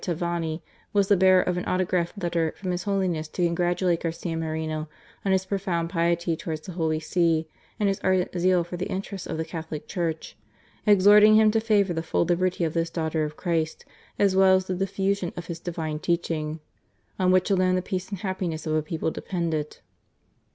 Tavani, was the bearer of an autograph letter from His Holiness to congratulate Garcia Moreno "on his pro found piety towards the Holy See, and his ardent zeal for the interests of the Catholic Church;" exhorting him to favour the full liberty of this daughter of Christ, as well as the diffusion of His Divine teaching "on which alone the peace and happiness of a people depended."